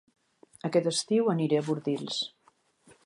Aquest estiu aniré a Bordils